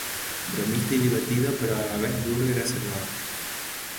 Bromista y divertido pero a la vez duro y reservado.